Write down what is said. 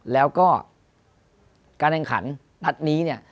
แล้วก็การแห่งขันนัดนี้